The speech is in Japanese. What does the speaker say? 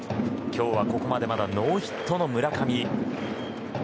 今日はここまでノーヒットの村上。